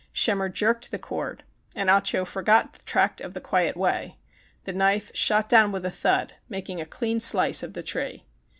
Schemmer jerked the cord, and Ah Cho forgot "The Tract of the Quiet Way." The knife shot down with a thud, making a clean slice of the tree.